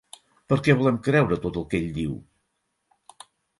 Per què volem creure tot el que ell diu?